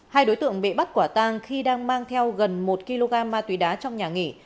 hai đối tượng bị bắt quả tang khi đang mang theo gần một kg ma túy đá trong nhà nghỉ